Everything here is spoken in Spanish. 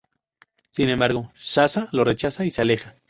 Sin embargo, Sasha lo rechaza y se aleja.